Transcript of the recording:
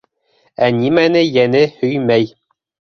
Ә нимәне йәне һөймәй?